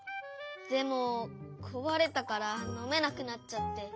でもこわれたからのめなくなっちゃって。